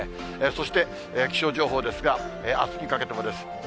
そして、気象情報ですが、あすにかけてもです。